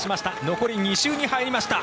残り２周に入りました。